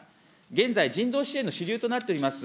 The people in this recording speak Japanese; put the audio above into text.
現在、人道支援の主流となっております